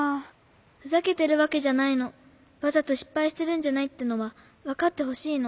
ふざけてるわけじゃないの。わざとしっぱいしてるんじゃないってのはわかってほしいの。